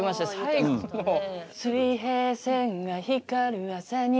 「水平線が光る朝に」